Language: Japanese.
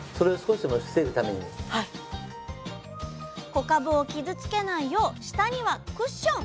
小かぶを傷つけないよう下にはクッション。